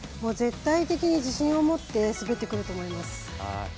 絶対的に自信を持って滑ってくると思います。